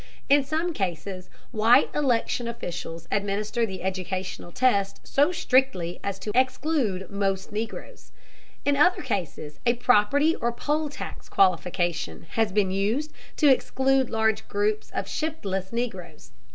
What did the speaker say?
In some cases white election officials administer the educational test so strictly as to exclude most Negroes. In other cases a property or poll tax qualification has been used to exclude large groups of shiftless Negroes.